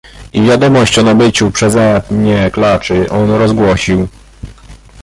"I wiadomość o nabyciu przeze mnie klaczy on rozgłosił..."